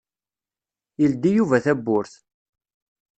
Yeldi Yuba tawwurt.